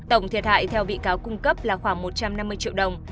tổng thiệt hại theo bị cáo cung cấp là khoảng một trăm năm mươi triệu đồng